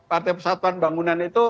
partai persatuan bangunan itu